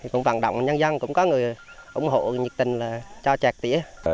cũng vận động nhân dân cũng có người ủng hộ nhiệt tình là cho trạc tiễn